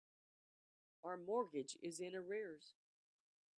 Our mortgage is in arrears.